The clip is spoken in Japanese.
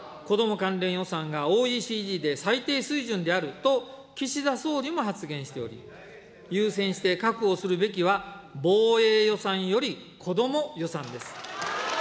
関連予算がＯＥＣＤで最低水準であると岸田総理も発言しており、優先して確保するべきは、防衛予算より子ども予算です。